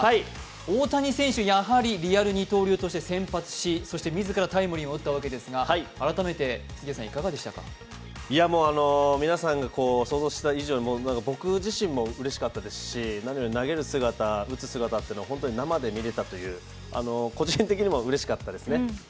大谷選手、やはりリアル二刀流として先発し、自らタイムリーも打ったわけですが、皆さんが想像した以上に、僕地震もうれしかったですし、何より投げる姿、打つ姿を生で見られるという、個人的にもうれしかったですね。